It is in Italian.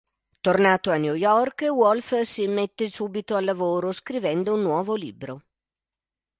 Tornato a New York, Wolfe si mette subito al lavoro, scrivendo un nuovo libro.